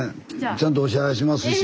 ちゃんとお支払いしますし。